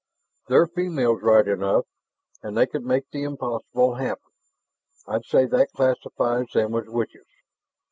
"They're females right enough, and they can make the impossible happen. I'd say that classifies them as witches.